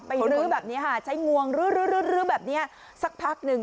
รื้อแบบนี้ค่ะใช้งวงลื้อแบบนี้สักพักหนึ่ง